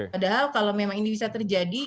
padahal kalau memang ini bisa terjadi